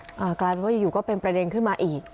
กลายเป็นว่าอยู่อยู่ก็เป็นประเด็นขึ้นมาอีก